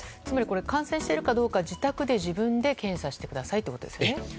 つまりこれ、感染しているかどうか、自宅で、自分で検査してくださいということですね。